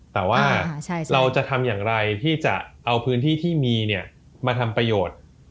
แต่ว่าเราจะทำอย่างไรที่จะเอาพื้นที่ที่มีมาทำประโยชน์